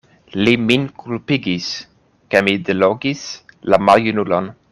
Li min kulpigis, ke mi delogis la maljunulon.